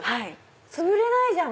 つぶれないじゃん！